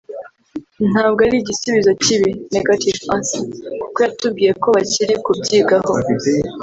“ntabwo ari igisubizo kibi (negative answer) kuko yatubwiye ko bakiri kubyigaho